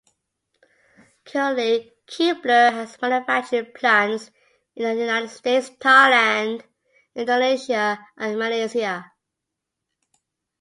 Currently, Keebler has manufacturing plants in the United States, Thailand, Indonesia, and Malaysia.